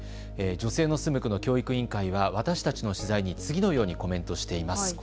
女性の住む区の教育委員会は私たちの取材に次のようにコメントしています。